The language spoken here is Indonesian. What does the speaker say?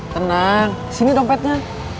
tenang sini dompetnya